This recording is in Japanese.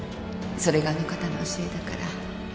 それがあの方の教えだから